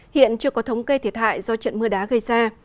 hiện chưa có thống kê thiệt hại do trận mưa đá gây ra